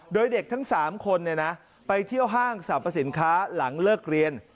โดยเด็กทั้ง๓คนไปเที่ยวห้างสรรพสินค้าหลังเลิกเรียน